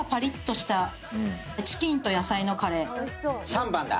３番だ。